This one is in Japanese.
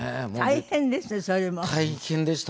大変でした